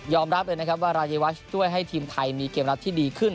รับเลยนะครับว่ารายวัชช่วยให้ทีมไทยมีเกมรับที่ดีขึ้น